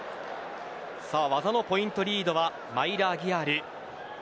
技のポイントリードはマイラ・アギアールです。